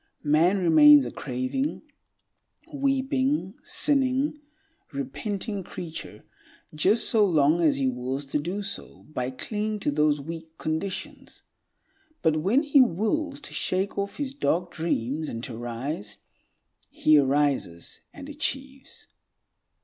Man remains a craving, weeping, sinning, repenting creature just so long as he wills to do so by clinging to those weak conditions. But when he wills to shake off his dark dreams and to rise, he arises and achieves.